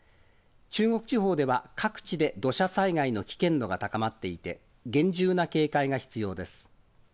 中国地方では、各地で土砂災害の危険度が高まっていて、厳重な警戒が必要です。